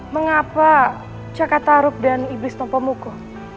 mengapa cakataruk dan iblis nompomuko